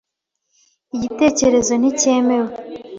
Igitekerezo nticyemewe.